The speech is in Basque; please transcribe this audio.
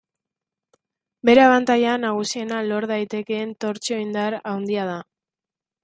Bere abantaila nagusiena lor daitekeen tortsio-indar handia da.